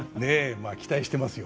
まあ期待してますよ